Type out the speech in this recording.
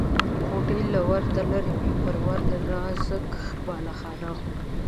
کوټې له ورته لرې وې، پر ور د نازک بالاخانه وه.